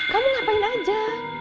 kamu ngapain aja